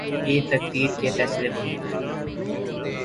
یہ تقدیر کے فیصلے ہوتے ہیں۔